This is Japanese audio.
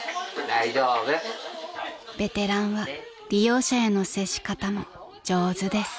［ベテランは利用者への接し方も上手です］